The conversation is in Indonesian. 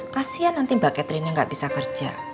kasian nanti mbak catherine nya nggak bisa kerja